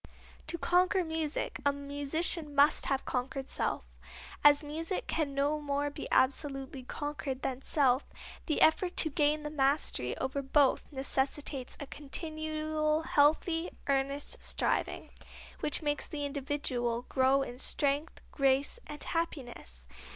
To conquer music a musician must have conquered self. As music can no more be absolutely conquered than self, the effort to gain the mastery over both necessitates a continual healthy, earnest striving, which makes the individual grow in strength, grace and happiness.